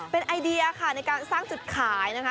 เป็นไอเดียค่ะในการสร้างจุดขายนะคะ